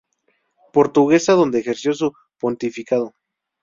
Portuguesa donde ejerció su Pontificado.